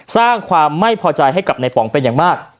สร้างความไม่พอใจให้กับในป๋องเป็นอย่างมาก